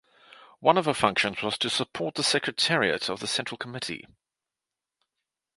One of her functions was to support the secretariat of the Central Committee.